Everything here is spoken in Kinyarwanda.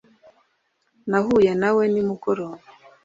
nahuye na we nimugoroba